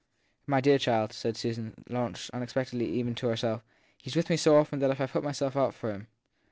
1 My dear child/ said Susan, launched unexpectedly even to herself, he s with me so often that if I put myself out for him